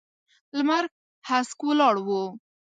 لمر هسک ولاړ و.